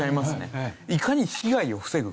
いかに被害を防ぐか。